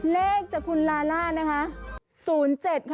เลขจากคุณลาล่านะคะ